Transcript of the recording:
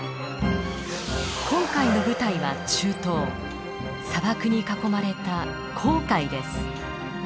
今回の舞台は中東砂漠に囲まれた紅海です。